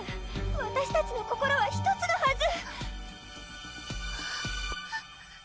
わたしたちの心は１つのはず！